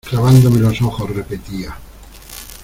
clavándome los ojos repetía: